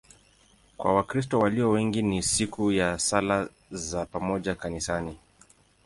Kwa Wakristo walio wengi ni siku ya sala za pamoja kanisani.